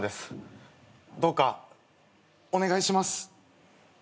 どうかお願いします。